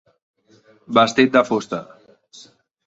Vestit de fusta.